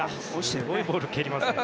すごいボール蹴りますね。